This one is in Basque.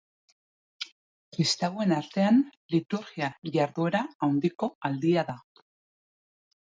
Kristauen artean liturgia-jarduera handiko aldia da.